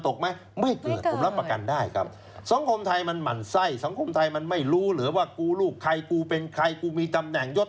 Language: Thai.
ทีนี้มันเป็นสังคมหลายชั้นไง